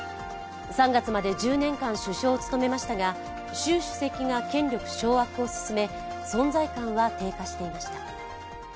３月まで１０年間首相を務めましたが習主席が権力掌握を進め、存在感が低下していました。